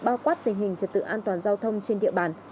bao quát tình hình trật tự an toàn giao thông trên địa bàn